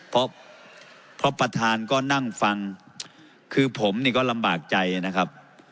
เพราะเพราะประธานก็นั่งฟังคือผมนี่ก็ลำบากใจนะครับ